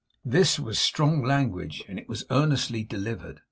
This was strong language, and it was earnestly delivered.